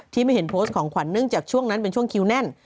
ไม่เห็นโพสต์ของขวัญเนื่องจากช่วงนั้นเป็นช่วงคิวแน่น